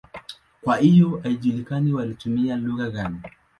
Kwa hiyo haijulikani walitumia lugha gani.